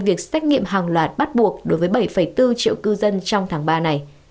việc xét nghiệm hàng loạt bắt buộc đối với bảy bốn triệu cư dân trong tháng ba này